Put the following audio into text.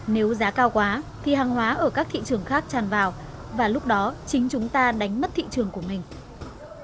nếu giá cao quá thì hàng hóa ở các thị trường khác tràn vào và lúc đó chính chúng ta đánh mất thị trường của mình